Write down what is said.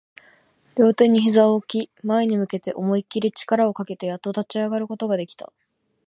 両手を膝に置き、前に向けて思いっきり力をかけて、やっと立ち上がることができた